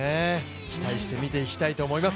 期待して見ていきたいと思います。